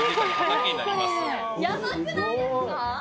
ヤバくないですか？